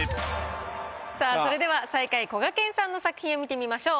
さあそれでは最下位こがけんさんの作品を見てみましょう。